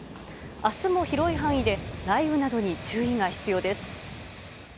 明日も広い範囲で雷雨などに注意が必要です。